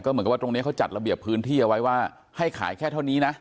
เหมือนกับว่าตรงนี้เขาจัดระเบียบพื้นที่เอาไว้ว่าให้ขายแค่เท่านี้นะ